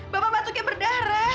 bapak batuknya berdarah